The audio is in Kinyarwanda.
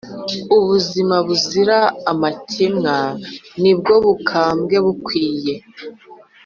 ubuzima buzira amakemwa ni bwo bukambwe bukwiye.